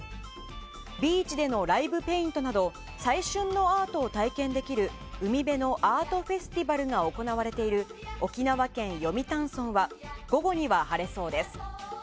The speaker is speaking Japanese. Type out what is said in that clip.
ビーチでのライブペイントなど最旬のアートを体験できる海辺のアートフェスティバルが行われている沖縄県読谷村は午後には晴れそうです。